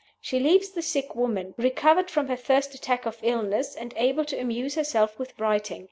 She leaves the sick woman, recovered from her first attack of illness, and able to amuse herself with writing.